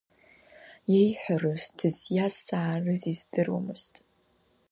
Иеиҳәарыз, дызиазҵаарыз издыруамызт.